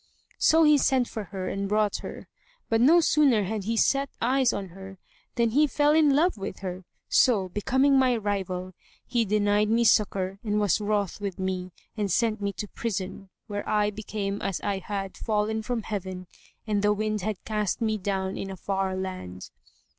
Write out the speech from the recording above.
So he sent for her and brought her; but no sooner had he set eyes on her than he fell in love with her; so, becoming my rival, he denied me succour and was wroth with me, and sent me to prison, where I became as I had fallen from heaven and the wind had cast me down in a far land.